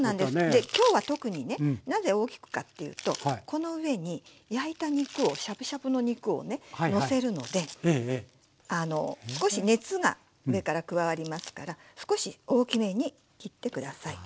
で今日は特にねなぜ大きくかっていうとこの上に焼いた肉をしゃぶしゃぶの肉をねのせるのであの少し熱が上から加わりますから少し大きめに切って下さい。